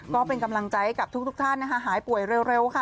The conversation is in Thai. ก็เป็นกำลังใจกับทุกท่านนะคะหายป่วยเร็วค่ะ